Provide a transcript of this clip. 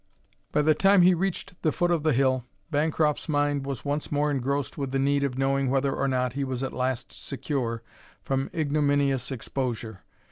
By the time he reached the foot of the hill Bancroft's mind was once more engrossed with the need of knowing whether or not he was at last secure from ignominious exposure.